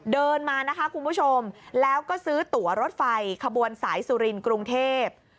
เดินมานะคะคุณผู้ชมแล้วก็ซื้อตัวรถไฟขบวนสายสุรินทร์กรุงเทพ